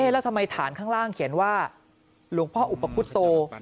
แล้วทำไมฐานข้างล่างเขียนว่าหลวงพ่ออุปคุตโต